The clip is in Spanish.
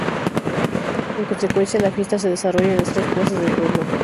En consecuencia la fiesta se desarrolla en las tres plazas del pueblo.